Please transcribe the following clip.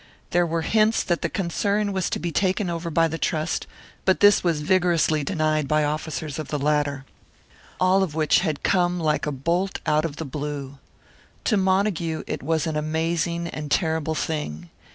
There were hints that the concern was to be taken over by the Trust, but this was vigorously denied by officers of the latter. All of which had come like a bolt out of the blue. To Montague it was an amazing and terrible thing.